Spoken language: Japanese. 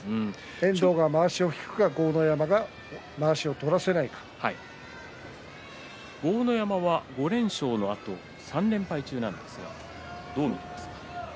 遠藤がまわしを引くか豪ノ山は５連勝のあと３連敗中なんですがどう見ますか。